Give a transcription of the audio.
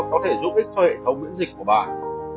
có thể giúp ích cho hệ thống miễn dịch của bạn